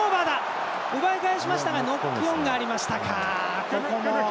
奪い返しましたがノックオンがありました。